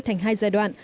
thành hai giai đoạn